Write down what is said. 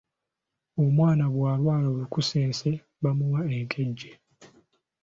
Omwana bw’alwala olukusense bamuwa enkejje.